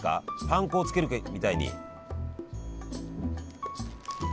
パン粉をつけるみたいに。